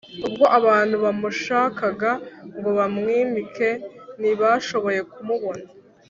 ubwo abantu bamushakaga ngo bamwimike, ntibashoboye kumubona